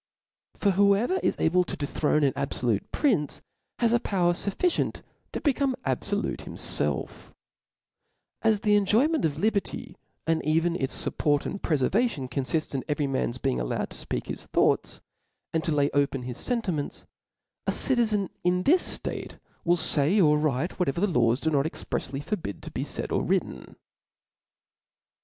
For whoever is able to dethrone an abfolutc prince, has a power fufficient to become ahfolute himfelf* As the enjoyment of liberty, and even its fup port and preservation, confifts in every man's being allowed to fpeak his thoughts and to lay open hi$ fentiments ; a citizen in this ftate will fay or write whatever the laws do not exprefly forbid to be faid or written.